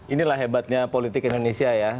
inilah hebatnya politik indonesia ya